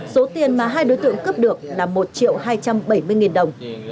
số tiền mà hai đối tượng cướp được là một triệu hai trăm bảy mươi nghìn đồng